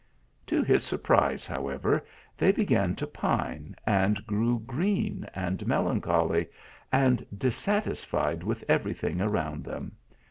To his surprise, however, they began to pine, and grew green and melancholy, and dissatis fied with every thing around them.